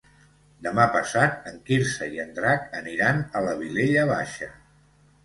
Demà passat en Quirze i en Drac aniran a la Vilella Baixa.